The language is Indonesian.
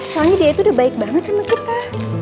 soalnya dia itu udah baik banget sama kita